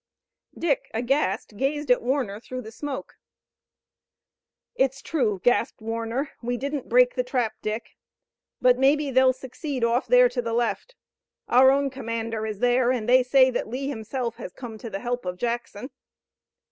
Dick, aghast, gazed at Warner through the smoke. "It's true!" gasped Warner, "we didn't break the trap, Dick. But maybe they'll succeed off there to the left! Our own commander is there, and they say that Lee himself has come to the help of Jackson!"